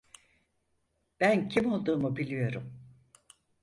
Ben kim olduğumu biliyorum.